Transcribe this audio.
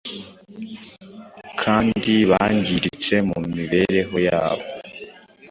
kandi bangiritse mu mibereho yabo.